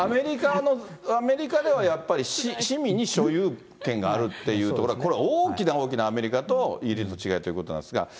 アメリカではやっぱり市民に所有権があるっていうところは、これは大きな大きな、アメリカとイギリスの違いということなんですが。